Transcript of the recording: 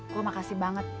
gue makasih banget